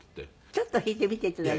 ちょっと弾いてみて頂いて。